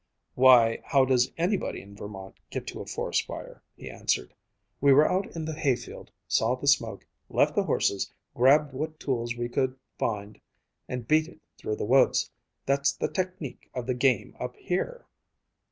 _" "Why, how does anybody in Vermont get to a forest fire?" he answered. "We were out in the hayfield, saw the smoke, left the horses, grabbed what tools we could find, and beat it through the woods. That's the technique of the game up here."